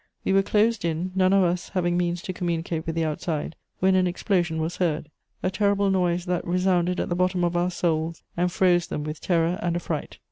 We were closed in, none of us having means to communicate with the outside, when an explosion was heard: a terrible noise that resounded at the bottom of our souls and froze them with terror and affright.